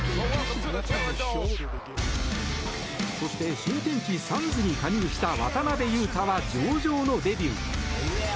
そして新天地、サンズに加入した渡邊雄太は上々のデビュー。